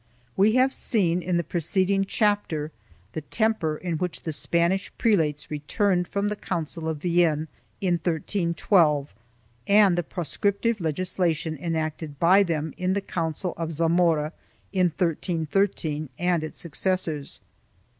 3 We have seen, in the preceding chapter, the temper in which the Spanish prelates returned from the Council ^ of Vienne in 1312 and the prescriptive legislation enacted by them in the Council of Zamora in 1313 and its successors.